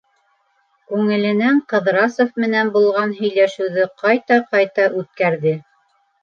Күңеленән Ҡыҙрасов менән булған һөйләшеүҙе ҡайта-ҡайта үткәрҙе.